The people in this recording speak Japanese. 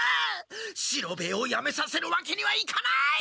四郎兵衛をやめさせるわけにはいかない！